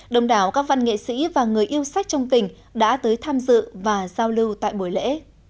đồng đảo các văn nghệ sĩ và người yêu sách trong tỉnh đã tới tham dự và giao lưu tại buổi lễ